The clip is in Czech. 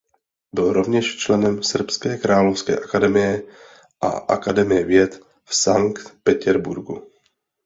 Byl rovněž členem Srbské královské akademie a akademie věd v Sankt Petěrburgu.